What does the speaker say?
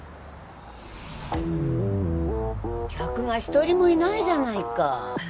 客が１人もいないじゃないか。